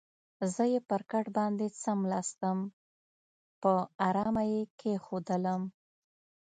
زه یې پر کټ باندې څملاستم، په آرامه یې کېښودلم.